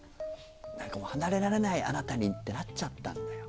「離れられないあなたに」ってなっちゃったんだよ。